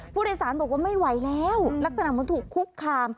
ผู้โดยสารบอกว่าไม่ไหวแล้วลักษณะเหมือนถูกคุกคาม